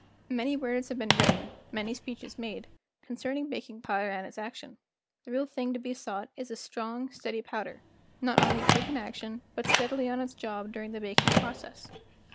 Many words have been written, many speeches made, concerning baking powder and its action; the real thing to be sought is a strong, steady powder, not only quick in action but steadily on the job during the baking process.